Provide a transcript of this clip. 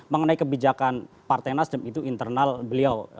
mengenai kebijakan partai nasdem itu internal beliau